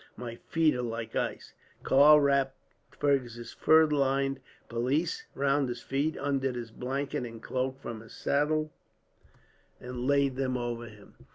"My feet are like ice." Karl wrapped Fergus's fur lined pelisse round his feet, undid his blanket and cloak from his saddle, and laid them over him.